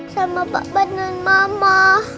sama bapak dan mama